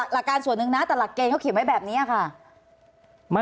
หลักการส่วนหนึ่งนะแต่หลักเกณฑ์เขาเขียนไว้แบบนี้ค่ะ